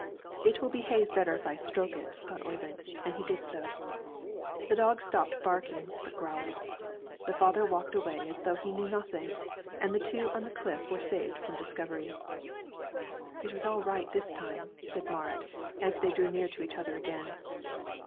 "It will behave better if I stroke it," thought Oyvind, and he did so. The dog stopped barking, but growled. The father walked away as though he knew nothing, and the two on the cliff were saved from discovery. "It was all right this time," said Marit, as they drew near to each other again.